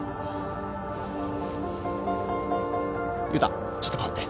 悠太ちょっと代わって。